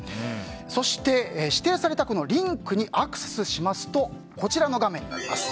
そして指定されたリンクにアクセスしますとこちらの画面が出ます。